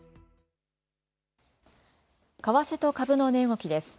為替と株の値動きです。